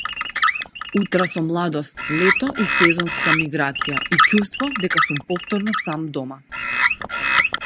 Утра со младост, лето и сезонска миграција, и чувство дека сум повторно сам дома.